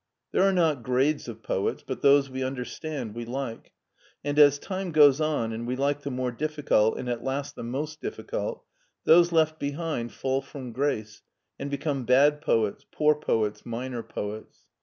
There are not grades of poets but those we understand we like, and as time goes on and we like the more difficult and at last the most difficult, those left behind fall from grace and become bad poets, poor poets, minor poets.